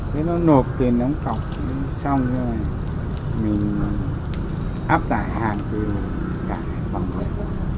thế nó nộp tiền nó cọc xong rồi mình áp tải hàng từ cả phòng đấy